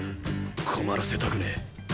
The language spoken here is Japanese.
困らせたくねえ。